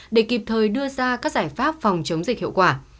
để kịp thời đưa ra các giải pháp phòng chống dịch hiệu quả